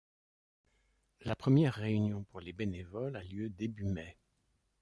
La première réunion pour les bénévoles a lieu début mai.